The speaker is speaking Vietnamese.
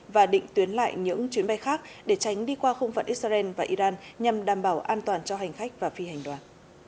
và định tuyến lại những chuyến bay khác để tránh đi qua khung phận israel và iran nhằm đảm bảo an toàn cho hành khách và phi hành đoàn